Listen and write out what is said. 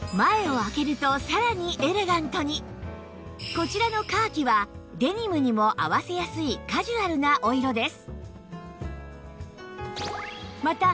こちらのカーキはデニムにも合わせやすいカジュアルなお色です